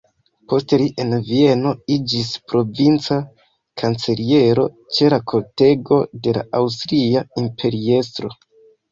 Poste li en Vieno iĝis provinca kanceliero ĉe la kortego de la aŭstria imperiestro.